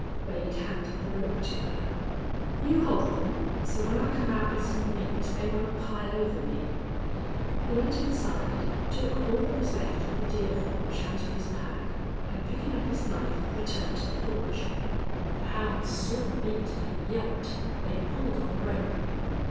Wade handed the rope to her. "You hold them, so when I come out with some meat they won't pile over me." He went inside, took all that was left of the deer haunch out of his pack, and, picking up his knife, returned to the porch. The hounds saw the meat and yelped. They pulled on the rope.